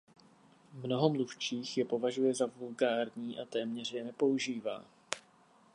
Mnoho mluvčích je považuje za vulgární a téměř je nepoužívá.